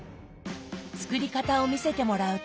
作り方を見せてもらうと。